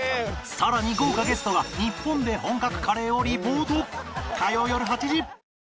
さらに豪華ゲストが日本で本格カレーをリポート